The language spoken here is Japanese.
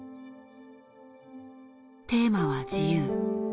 テーマは自由。